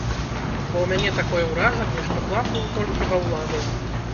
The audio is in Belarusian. Бо ў мяне такое ўражанне, што план быў толькі ва ўладаў.